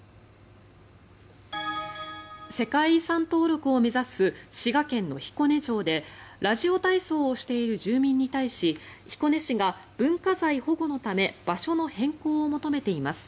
世界遺産登録を目指す滋賀県の彦根城でラジオ体操をしている住民に対し彦根市が文化財保護のため場所の変更を求めています。